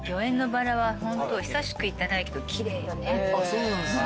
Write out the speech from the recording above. そうなんすね。